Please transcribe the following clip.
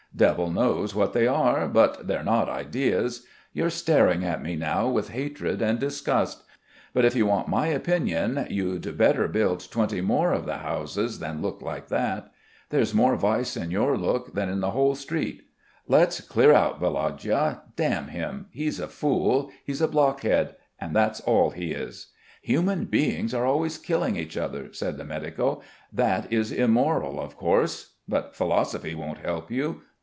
Devil knows what they are, but they're not ideas. You're staring at me now with hatred and disgust; but if you want my opinion you'd better build twenty more of the houses than look like that. There's more vice in your look than in the whole street. Let's dear out, Volodya, damn him! He's a fool. He's a blockhead, and that's all he is." "Human beings are always killing each other," said the medico. "That is immoral, of course. But philosophy won't help you.